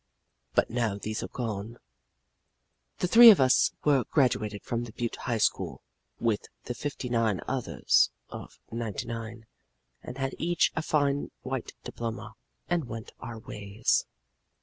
"But now these are gone. "The three of us were graduated from the Butte High School with the fifty nine others of ninety nine, and had each a fine white diploma, and went our ways.